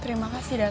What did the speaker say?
terima kasih datu